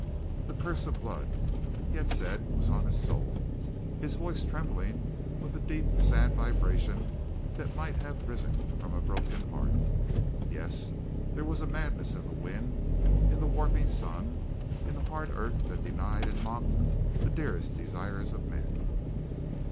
The curse of blood, he had said, was on his soul, his voice trembling with the deep, sad vibration that might have risen from a broken heart. Yes, there was madness in the wind, in the warping sun, in the hard earth that denied and mocked the dearest desires of men.